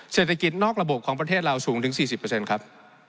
เศรษฐกิจนอกระบบของประเทศเราสูงถึง๔๐ครับ